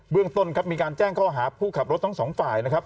เรื่องต้นครับมีการแจ้งข้อหาผู้ขับรถทั้งสองฝ่ายนะครับ